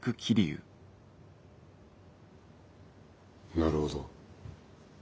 なるほど。